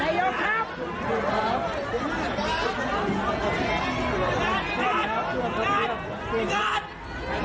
นันยอม